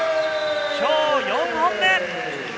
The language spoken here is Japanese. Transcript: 今日４本目！